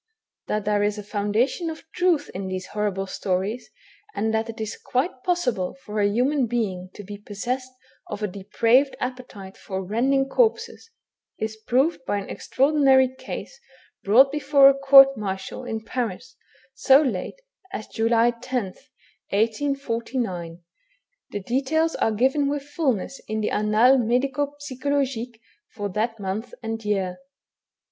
That there is a foundation of truth in these horrible stories, and that it is quite possible for a human being to be possessed of a depraved appetite for rending corpses, is proved by an extraordinary case brought before a court martial in Paris, so late as July 10th, 1849. The details are given with fulness in the Annates Medico psychologiques for that month and year.